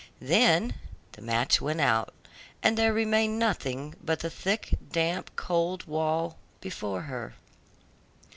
Then the match went out, and there remained nothing but the thick, damp, cold wall before her.